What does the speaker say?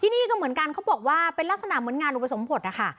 นี่ก็เหมือนกันเขาบอกว่าเป็นลักษณะเหมือนงานอุปสมบทนะคะ